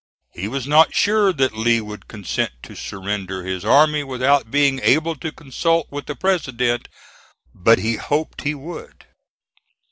He was not sure that Lee would consent to surrender his army without being able to consult with the President, but he hoped he would.